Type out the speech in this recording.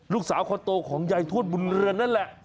ลูกสาวคนโตของยายทวดบุญเรือนนั่นแหละ